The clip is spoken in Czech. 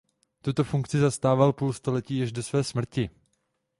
Tuto funkci zastával půl století až do své smrti.